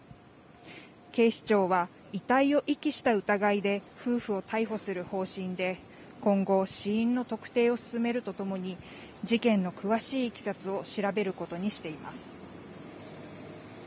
警視庁は遺体を遺棄した疑いで夫婦を逮捕する方針で、今後、死因の特定を進めるとともに、事件の詳しいいきさつを調べることにしています。